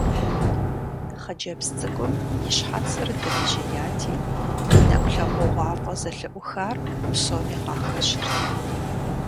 Хъыджэбз цӀыкӀум и щхьэцыр дрижьеяти, и нэкӀу лъагъугъуафӀэ зэлъыӀухар псоми къахэщырт.